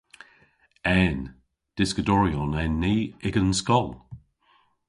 En. Dyskadoryon en ni y'gan skol.